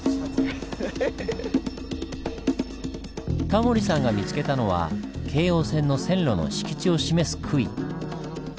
タモリさんが見つけたのは京王線の線路の敷地を示す杭。